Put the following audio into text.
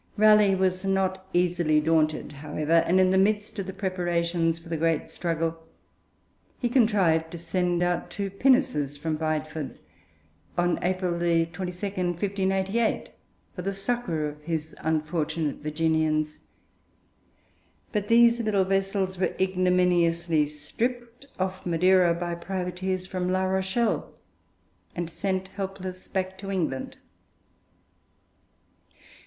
Raleigh was not easily daunted, however, and in the midst of the preparations for the great struggle he contrived to send out two pinnaces from Bideford, on April 22, 1588, for the succour of his unfortunate Virginians; but these little vessels were ignominiously stripped off Madeira by privateers from La Rochelle, and sent helpless back to England.